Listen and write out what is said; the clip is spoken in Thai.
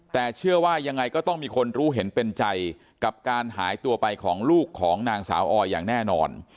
แต่เชื่อว่ายังไงก็ต้องมีคนรู้เห็นเป็นใจกับการหายตัวไปของลูกของนางสาวออยอย่างแน่นอน